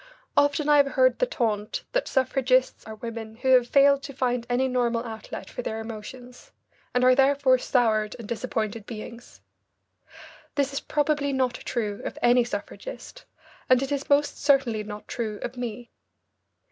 Often I have heard the taunt that suffragists are women who have failed to find any normal outlet for their emotions, and are therefore soured and disappointed beings. This is probably not true of any suffragist, and it is most certainly not true of me.